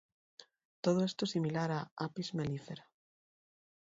Todo esto similar a "Apis mellifera".